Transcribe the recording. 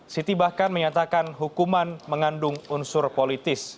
siti bahkan menyatakan hukuman mengandung unsur politis